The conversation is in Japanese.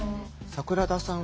櫻田さん